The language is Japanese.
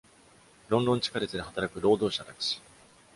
ロンドン地下鉄で働く労働者たち。